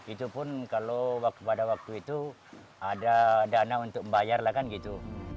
itu pun kalau pada waktu itu ada dana untuk membayar lah kan gitu